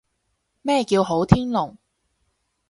咩叫好天龍？